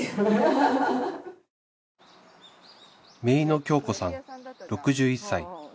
姪の京子さん６１歳